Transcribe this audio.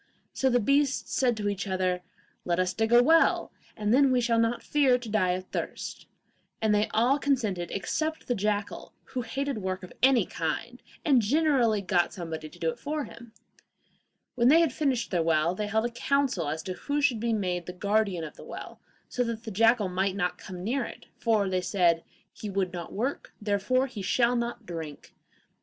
So the beasts said to each other, 'Let us dig a well, and then we shall not fear to die of thirst;' and they all consented except the jackal, who hated work of any kind, and generally got somebody to do it for him. When they had finished their well, they held a council as to who should be made the guardian of the well, so that the jackal might not come near it, for, they said, 'he would not work, therefore he shall not drink.